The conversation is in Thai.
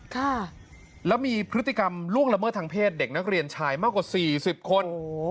ค่ะแล้วมีพฤติกรรมล่วงละเมิดทางเพศเด็กนักเรียนชายมากกว่าสี่สิบคนโอ้โห